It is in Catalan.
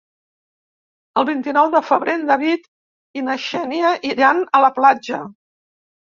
El vint-i-nou de febrer en David i na Xènia iran a la platja.